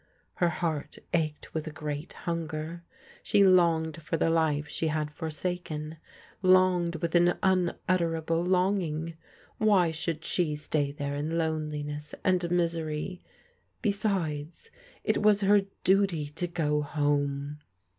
Her heart ached with a great hunger. She longed for the life she had forsaken, longed with an unutterable long ing. Why should she stay there in loneliness, and misery? Besides, it was her duty to go home.